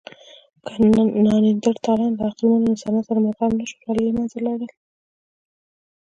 که نیاندرتالان له عقلمنو انسانانو سره مدغم نهشول، ولې له منځه لاړل؟